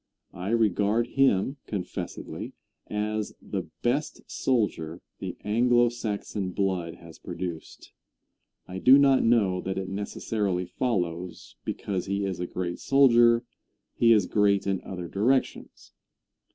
I regard him, confessedly, as the best soldier the Anglo Saxon blood has produced. I do not know that it necessarily follows because he is a great soldier he is great in other directions.